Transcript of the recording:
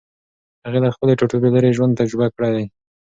هغې له خپل ټاټوبي لېرې ژوند تجربه کړی دی.